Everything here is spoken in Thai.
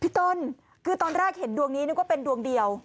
ต้นคือตอนแรกเห็นดวงนี้นึกว่าเป็นดวงเดียว